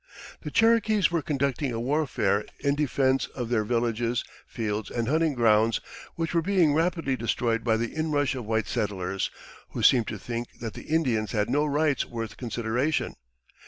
The Cherokees were conducting a warfare in defense of their villages, fields, and hunting grounds, which were being rapidly destroyed by the inrush of white settlers, who seemed to think that the Indians had no rights worth consideration.